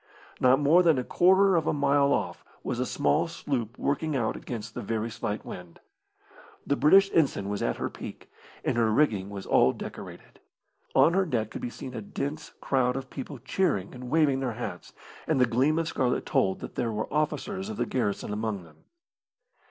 Not more than a quarter of a mile off was a small sloop working out against the very slight wind. The British ensign was at her peak, and her rigging was all decorated. On her deck could be seen a dense crowd of people cheering and waving their hats, and the gleam of scarlet told that there were officers of the garrison among them.